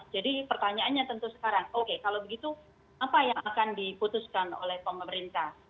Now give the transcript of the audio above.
jadi pertanyaannya tentu sekarang oke kalau begitu apa yang akan diputuskan oleh pemerintah